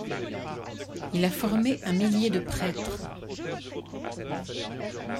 Il a formé un millier de prêtres.